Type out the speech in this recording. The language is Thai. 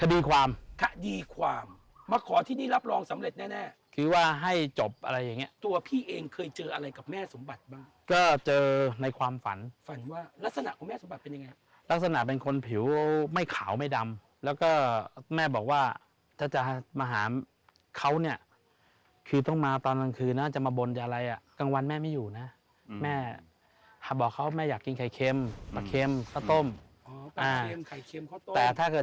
หรอครับต้องกลับมาแก้บนที่นี่หรอครับต้องกลับมาแก้บนที่นี่หรอครับต้องกลับมาแก้บนที่นี่หรอครับต้องกลับมาแก้บนที่นี่หรอครับต้องกลับมาแก้บนที่นี่หรอครับต้องกลับมาแก้บนที่นี่หรอครับต้องกลับมาแก้บนที่นี่หรอครับต้องกลับมาแก้บนที่นี่หรอครับต้องกลับมาแก้บน